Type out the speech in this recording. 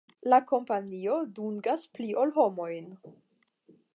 La kompanio dungas pli ol homojn.